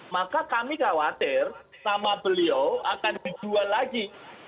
maka kami khawatir nama beliau akan dijual lagi